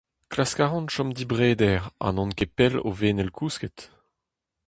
Klask a ran chom dibreder ha n'on ket pell o venel kousket !